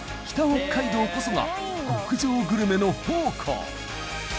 北海道こそが極上グルメの宝庫